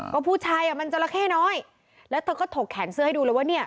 ก็ผู้ชายอ่ะมันจราเข้น้อยแล้วเธอก็ถกแขนเสื้อให้ดูเลยว่าเนี่ย